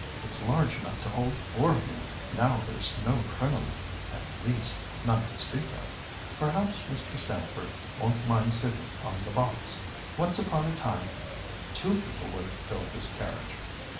It's large enough to hold four of you now there's no crinoline—at least, none to speak of. Perhaps Mr. Stamford won't mind sitting on the box—once upon a time two people would have filled this carriage.